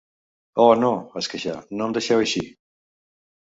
Oh, no! —es queixà— No em deixeu així!